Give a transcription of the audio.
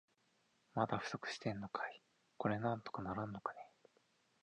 まだ不足してんのかい。これなんとかならんのかね。